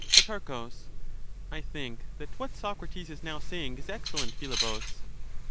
18 Pro. I think that what Socrates is now saying is excellent, Philebus.